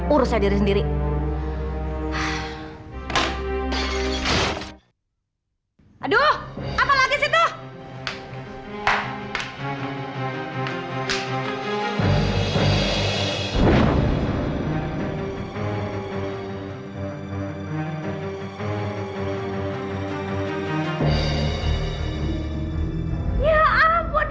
udah pulang ya ampun